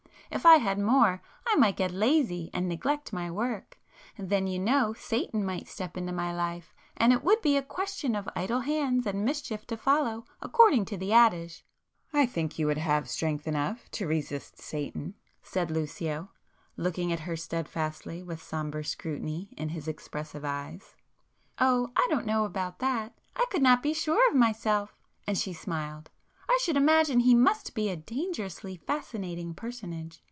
If I had more, I might get lazy and neglect my work,—then you know Satan might step into my life, and it would be a question of idle hands and mischief to follow, according to the adage." "I think you would have strength enough to resist Satan,—" said Lucio, looking at her stedfastly, with sombre scrutiny in his expressive eyes. "Oh, I don't know about that,—I could not be sure of myself!" and she smiled—"I should imagine he must be a dangerously fascinating personage.